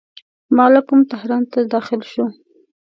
مالکم تهران ته داخل شو.